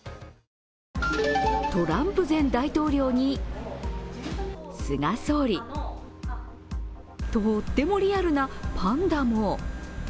トランプ前大統領に、菅総理。とってもリアルなパンダも。